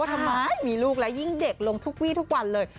ทำไมมีลูกแล้วยิ่งเด็กลงทุกวีทุกวันเลย